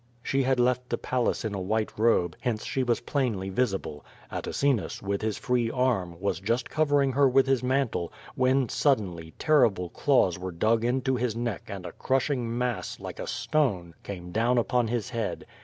She had left the palace in a white robe, hence she was plainly visible. Atacinus, with his free arm, was just cover ing her with his mantle, when, suddenly, terrible claws were dug into his neck and a crusliing mass, like a stone, came down upon his head.